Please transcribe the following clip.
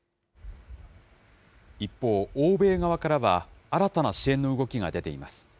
一方、欧米側からは、新たな支援の動きが出ています。